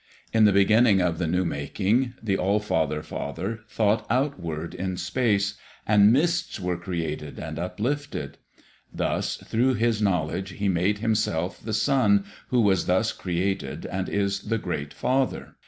In the beginning of the New making, the All father Father thought outward in space, and mists were created and up lifted. Thus through his knowledge he made himself the Sun who was thus created and is the great Father.